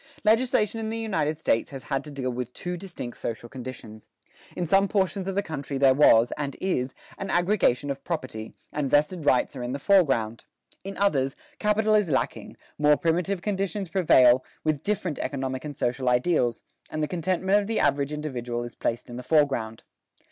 Legislation in the United States has had to deal with two distinct social conditions. In some portions of the country there was, and is, an aggregation of property, and vested rights are in the foreground: in others, capital is lacking, more primitive conditions prevail, with different economic and social ideals, and the contentment of the average individual is placed in the foreground.